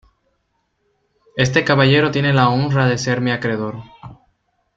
este caballero tiene la honra de ser mi acreedor.